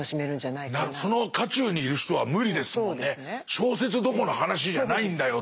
小説どころの話じゃないんだよっていう。